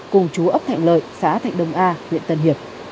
cùng chú ấp thạnh lợi xã thạnh đông a huyện tân hiệp